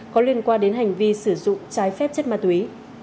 có liên quan đến hành vi sử dụng trái phép chất ma túy